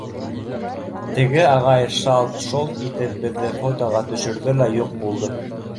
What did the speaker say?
Теге ағай шалт-шолт итеп беҙҙе фотоға төшөрҙө лә юҡ булды.